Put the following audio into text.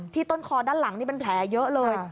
ต้นคอด้านหลังนี่เป็นแผลเยอะเลย